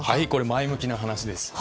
前向きな話です。